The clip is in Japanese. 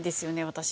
私。